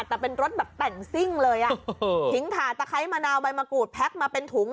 แต่เป็นรถแบบแต่งซิ่งเลยอ่ะทิ้งถ่าตะไคร้มะนาวใบมะกรูดแพ็คมาเป็นถุง